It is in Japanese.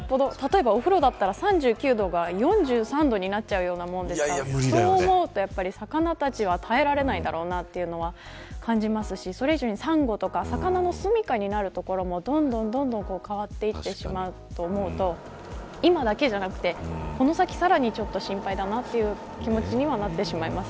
お風呂だったら３９度が４３度になっちゃうものですから魚たちは耐えられないだろうなと感じますしそれ以上にサンゴとか魚のすみかになる所もどんどん変わっていってしまうと思うと今だけじゃなくてこの先さらに心配だなという気持ちになります。